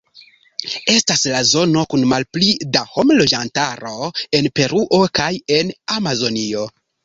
Estas la zono kun malpli da homa loĝantaro en Peruo kaj en Amazonio.